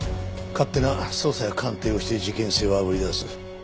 勝手な捜査や鑑定をして事件性をあぶり出す。